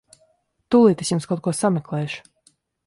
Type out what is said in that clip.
Tūlīt es jums kaut ko sameklēšu.